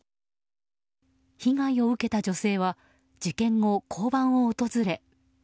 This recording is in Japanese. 被害を受けた女性は事件後、交番を訪れ。